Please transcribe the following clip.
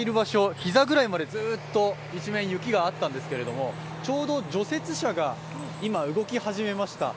膝ぐらいまでずっと一面雪があったんですけれども、ちょうど除雪車が今、動き始めました。